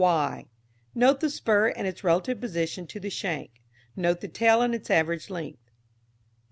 y. Note the spur and its relative position to the shank. Note the tail and its average length.